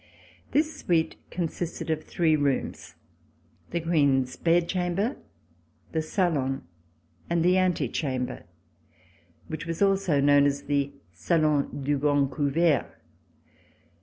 This suite consisted of three rooms — the Queen's bed chamber, the salon and the antechamber, which was also known as the Salo7i du Grand Convert.